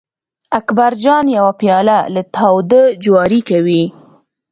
اکبر جان یو پیاله له تاوده جواري کوي.